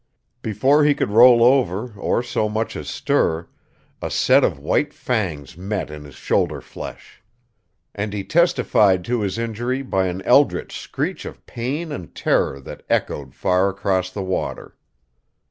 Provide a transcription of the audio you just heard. Before he could roll over or so much as stir, a set of white fangs met in his shoulder flesh. And he testified to his injury by an eldritch screech of pain and terror that echoed far across the water.